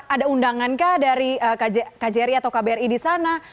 ada undangankah dari kjri atau kbri disana